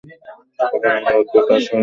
এখানে মূলত তার শৈশবকালীন জীবন ফুটে উঠেছে।